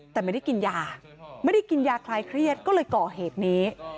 แต่ไม่ได้กินยาไม่ได้กินยาคลายเครียดก็เลยก่อเหตุนี้